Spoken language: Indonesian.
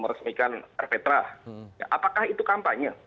itu kan jadi persoalan